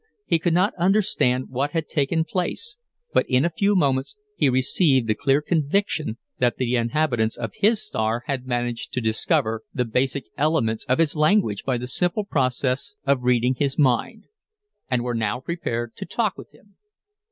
He could not understand what had taken place, but in a few moments he received the clear conviction that the inhabitants of his star had managed to discover the basic elements of his language by the simple process of reading his mind, and were now prepared to talk with him.